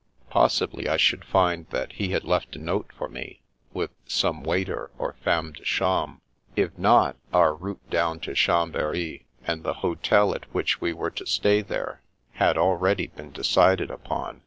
Possibly I should find that he had left a note for me, with some waiter or femme de chamhre. If not, our route down to Chambery and the hotel at which we were to stay there, had already been decided upon.